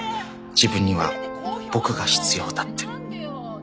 自分には僕が必要だって。